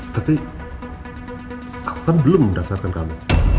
tapi aku kan belum mendasarkan kami